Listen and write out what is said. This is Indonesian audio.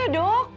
aida sudah pergi